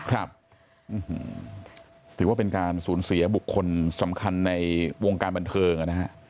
ถือว่าเป็นการสูญเสียบุคคลสำคัญในวงการบันเทิงนะฮะ